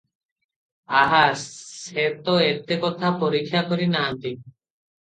ଆହା, ସେତ ଏତେ କଥା ପରୀକ୍ଷା କରି ନାହାନ୍ତି ।